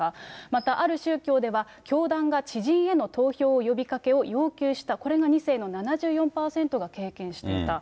またある宗教では、教団が知人への投票呼びかけを要求した、これが２世の７４％が経験していた。